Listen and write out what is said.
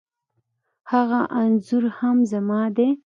هغه انخورهم زما دی